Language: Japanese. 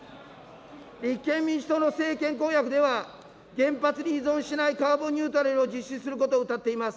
立憲民主党の政権公約では、原発に依存しないカーボンニュートラルを実施することをうたっています。